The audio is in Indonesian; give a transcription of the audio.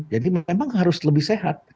jadi memang harus lebih sehat